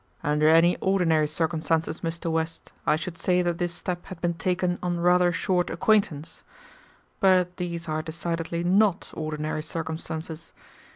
"Under any ordinary circumstances, Mr. West, I should say that this step had been taken on rather short acquaintance; but these are decidedly not ordinary circumstances.